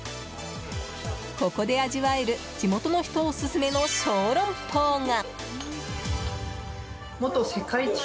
ここで味わえる地元の人オススメの小籠包が。